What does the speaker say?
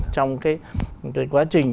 trong cái quá trình